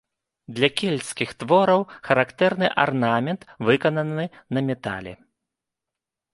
Для кельцкіх твораў характэрны арнамент, выкананы на метале.